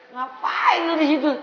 ngapain lu disitu